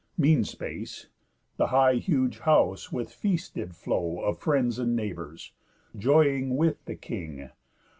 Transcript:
Mean space, the high huge house with feast did flow Of friends and neighbours, joying with the king.